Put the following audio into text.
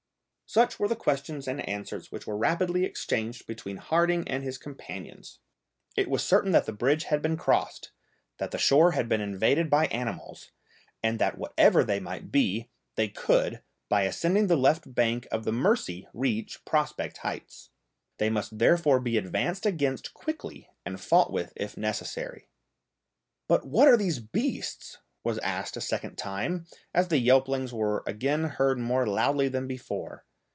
Such were the questions and answers which were rapidly exchanged between Harding and his companions. It was certain that the bridge had been crossed, that the shore had been invaded by animals, and that whatever they might be they could by ascending the left bank of the Mercy reach Prospect Heights. They must therefore be advanced against quickly and fought with if necessary. "But what are these beasts?" was asked a second time, as the yelpings were again heard more loudly than before.